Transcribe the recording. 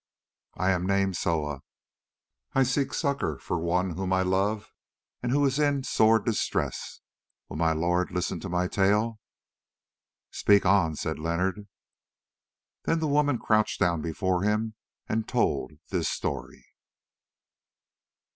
"I am named Soa, and I seek succour for one whom I love and who is in sore distress. Will my lord listen to my tale?" "Speak on," said Leonard. Then the woman crouched down before him and told this story.